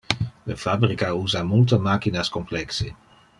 Le fabrica usa multe machinas complexe.